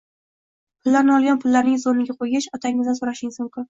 pullarni olgan pullaringiz o‘rniga qo‘ygach, otangizdan so‘rashingiz mumkin.